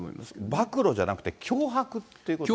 暴露じゃなくて脅迫っていうことですね。